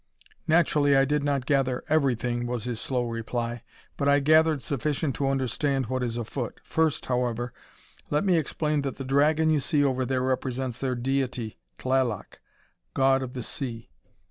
"Naturally, I did not gather everything," was his slow reply, "but I gathered sufficient to understand what is afoot. First, however, let me explain that the dragon you see over there represents their deity Tlaloc, god of the sea.